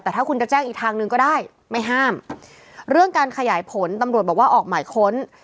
แต่ถ้าคุณจะแจ้งอีกทางหนึ่งก็ได้ไม่ห้ามเรื่องการขยายผลตำรวจบอกว่าออกหมายค้น